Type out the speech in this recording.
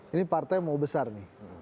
ini partai mau besar nih